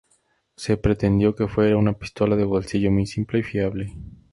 Se pretendió que fuera una pistola de bolsillo muy simple y fiable.